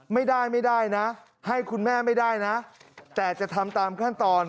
ไม่ได้ให้คุณแม่ไม่ได้แต่จะทำตามขั้นตอน